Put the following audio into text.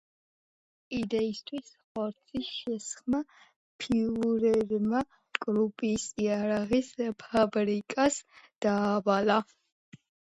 იდეისთვის ხორცის შესხმა ფიურერმა კრუპის იარაღის ფაბრიკას დაავალა.